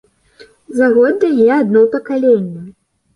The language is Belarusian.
За год дае адно пакаленне.